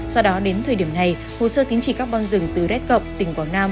do đó đến thời điểm này hồ sơ tính trị carbon rừng từ rết cộng tỉnh quảng nam